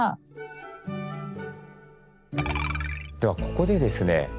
ではここでですね